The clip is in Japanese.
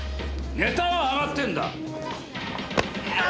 ネタは上がってんだ！